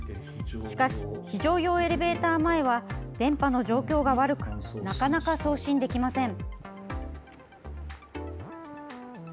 しかし、非常用エレベーター前は電波の状況が悪くなかなか送信できません。